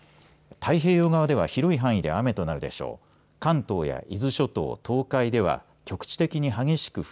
太平洋側では広い範囲で雨となるでしょう。